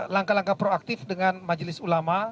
langkah langkah proaktif dengan majelis ulama